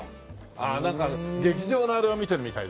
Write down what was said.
ああなんか劇場のあれを見てるみたいだね。